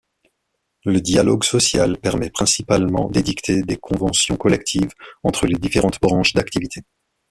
Le dialogue social permet principalement d'édicter des conventions collectives entre les différentes branches d'activité.